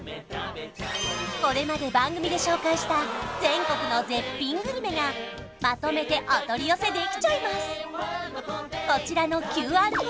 これまで番組で紹介した全国の絶品グルメがまとめてお取り寄せできちゃいます